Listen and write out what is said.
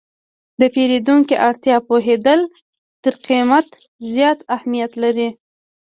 د پیرودونکي اړتیا پوهېدل تر قیمت زیات اهمیت لري.